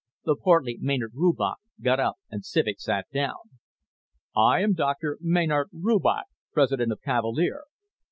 The portly Maynard Rubach got up and Civek sat down. "I am Dr. Maynard Rubach, president of Cavalier.